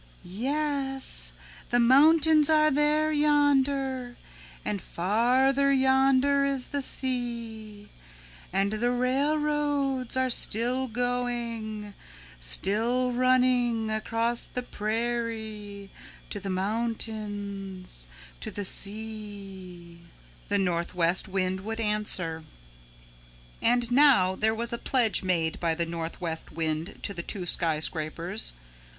"Yes, the mountains are there yonder, and farther yonder is the sea, and the railroads are still going, still running across the prairie to the mountains, to the sea," the Northwest Wind would answer. And now there was a pledge made by the Northwest Wind to the two skyscrapers.